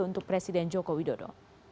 untuk presiden jokowi dodo